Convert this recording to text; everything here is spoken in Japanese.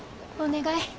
お願い。